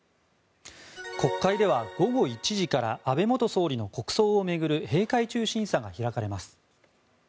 国会では午後１時から安倍元総理の国葬を巡る閉会中審査が開かれます。